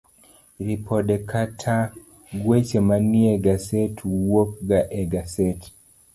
Ripode kata Gweche Manie Gasede wuok ga e gaset